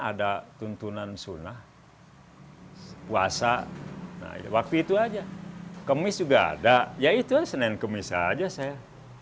ada tuntunan sunnah hai kuasa nah itu waktu itu aja kemis juga ada yaitu senin kemis aja saya